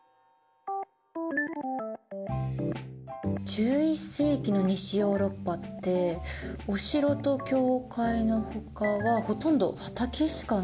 １１世紀の西ヨーロッパってお城と教会のほかはほとんど畑しかなかったんだ。